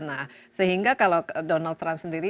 nah sehingga kalau donald trump sendiri